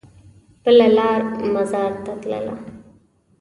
بله لار مزار ته تلله.